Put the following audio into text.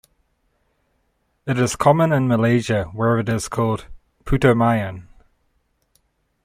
It is common in Malaysia, where it is called "putumayam".